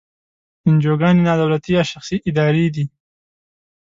انجوګانې نا دولتي یا شخصي ادارې دي.